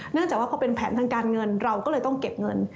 จากว่าพอเป็นแผนทางการเงินเราก็เลยต้องเก็บเงิน